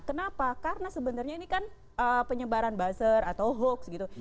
kenapa karena sebenarnya ini kan penyebaran buzzer atau hoax gitu